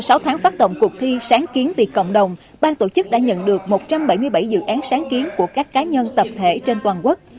sau sáu tháng phát động cuộc thi sáng kiến vì cộng đồng bang tổ chức đã nhận được một trăm bảy mươi bảy dự án sáng kiến của các cá nhân tập thể trên toàn quốc